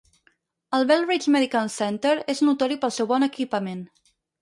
El Belridge Medical Centre és notori pel seu bon equipament.